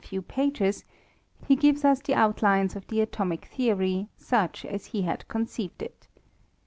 few pages, he gives ub the outlines of the atomic theory, such as he had conceived it.